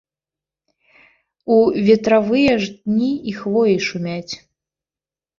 У ветравыя ж дні і хвоі шумяць.